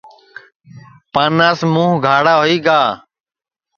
پاناس موھ گاھڑا ہوئی گا